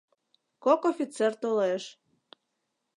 Кок офицер толеш.